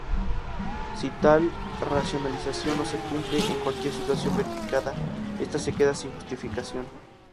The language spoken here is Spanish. Si tal racionalización no se cumple en cualquier situación verificada, esta queda sin justificación.